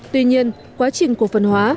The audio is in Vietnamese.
tuy nhiên quá trình cổ phân hóa